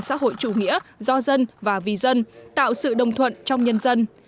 xã hội chủ nghĩa do dân và vì dân tạo sự đồng thuận trong nhân dân